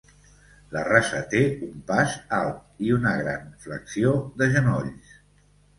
La raça té un pas alt i una gran flexió de genolls.